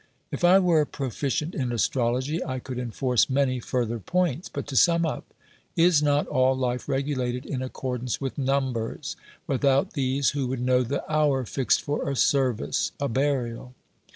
If I were proficient in astrology, I could enforce many further points ; but to sum up, is not all life regulated in accordance with numbers ? Without these, who would know the hour fixed for a service, a burial